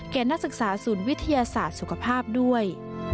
นักศึกษาศูนย์วิทยาศาสตร์สุขภาพด้วย